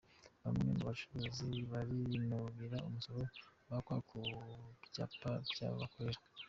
Bamwe mu bacuruzi barinubira umusoro bakwa ku byapa by’aho bakorera